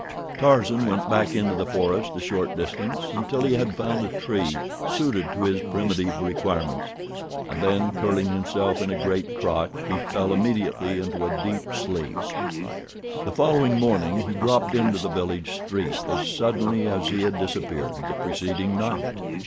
Tarzan went back into the forest a short distance until he had found a tree suited to his primitive requirements, and then, curling himself in a great crotch, he fell immediately into a deep sleep. The following morning he dropped into the village street as suddenly as he had disappeared the preceding night.